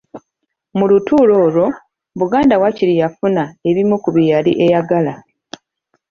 Mu lutuula olwo, Buganda waakiri yafuna ebimu ku bye yali eyagala.